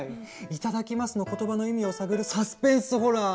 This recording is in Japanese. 「いただきます」の言葉の意味を探るサスペンスホラー！